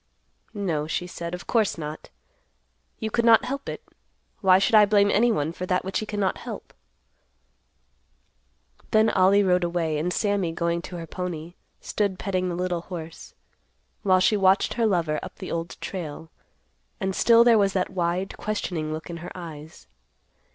"No," she said; "of course not. You could not help it. Why should I blame anyone for that which he cannot help?" Then Ollie rode away, and Sammy, going to her pony, stood petting the little horse, while she watched her lover up the Old Trail, and still there was that wide, questioning look in her eyes.